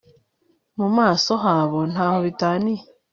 Mu maso habo ntaho bitaniye